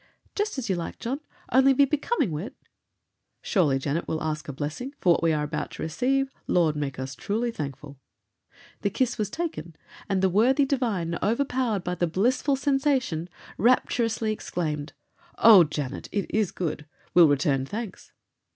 "Just as you like, John, only be becoming wi' it." "Surely, Janet, we'll ask a blessing. For what we are about to receive, Lord make us truly thankful." The kiss was taken, and the worthy divine, overpowered by the blissful sensation, rapturously exclaimed: "Oh! Janet, it is gude. We'll return thanks."